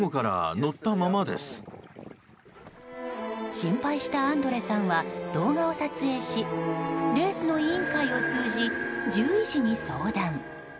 心配したアンドレさんは動画を撮影しレースの委員会を通じ獣医師に相談。